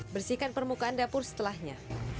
bersihkan permukaan dapur setelahnya